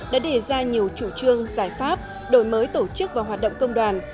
đã đề ra nhiều chủ trương giải pháp đổi mới tổ chức và hoạt động công đoàn